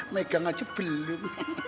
megang aja belum